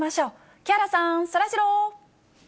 木原さん、そらジロー。